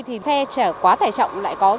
thì xe quá tải trọng lại có